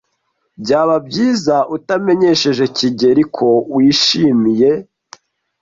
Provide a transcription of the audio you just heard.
Byaba byiza utamenyesheje kigeli ko wishimiye.